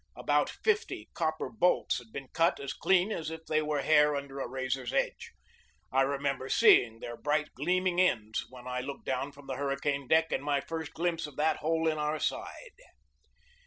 About fifty copper bolts had been cut as clean as if they were hair under a razor's edge. I remember seeing their bright, gleaming ends when I looked down from the hurricane deck in my first glimpse of that hole in our side.